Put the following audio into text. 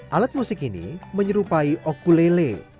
alat musik ini menyerupai okulele